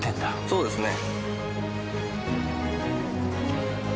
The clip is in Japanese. そうですね。